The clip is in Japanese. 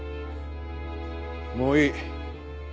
もういい。